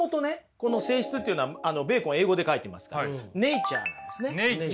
この性質っていうのはベーコン英語で書いてますからネイチャーなんですね。